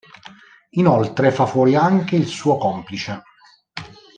Inoltre fa fuori anche il suo complice.